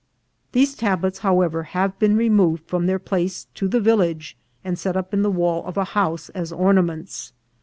These tablets, however, have been removed from their place to the village, and set up in the wall of a house as or naments.